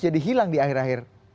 jadi hilang di akhir akhir